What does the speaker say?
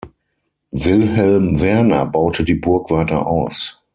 Wilhelm Werner baute die Burg weiter aus.